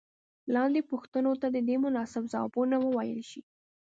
لاندې پوښتنو ته دې مناسب ځوابونه وویل شي.